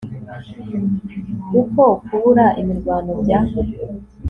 uko kubura imirwano bya